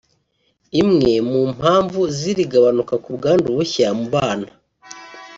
Imwe mu mpamvu z’iri gabanuka ku bwandu bushya mu bana